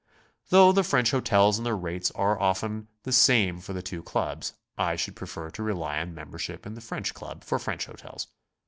Though the French hotels and their rates are often the same for the two Clubs, I should prefer to rely on membership in the French Club for French hotels.